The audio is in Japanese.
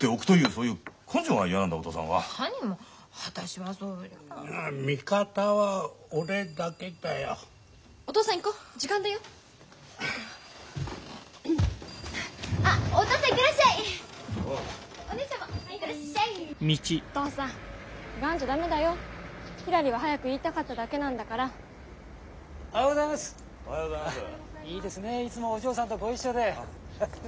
いいですねえいつもお嬢さんとご一緒で。